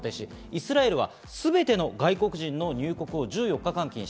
イスラエルはすべての外国人の入国を１４日間禁止。